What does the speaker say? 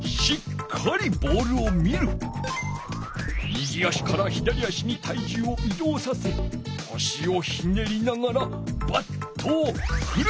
右足から左足に体重を移動させこしをひねりながらバットをふる！